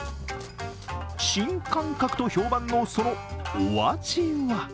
新感覚と評判の、そのお味は？